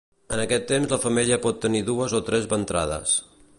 En aquest temps la femella pot tenir dues o tres ventrades.